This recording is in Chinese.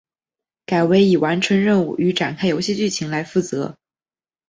改为以完成任务与展开游戏剧情来负责。